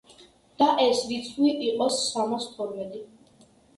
და ეს რიცხვი იყოს სამას თორმეტი.